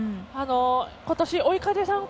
ことし追い風参考